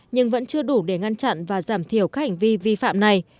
nhưng vẫn chưa đủ để ngăn chặn và giảm thiểu các hành vi vi phạm này